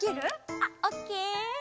あっオッケー！